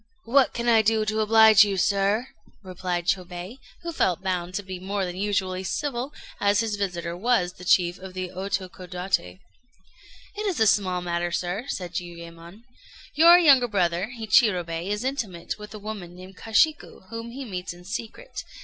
"What can I do to oblige you, sir?" replied Chôbei, who felt bound to be more than usually civil, as his visitor was the chief of the Otokodaté. "It is a small matter, sir," said Jiuyémon. "Your younger brother Hichirobei is intimate with a woman named Kashiku, whom he meets in secret.